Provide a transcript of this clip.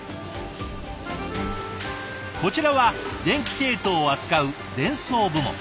こちらは電気系統を扱う電装部門。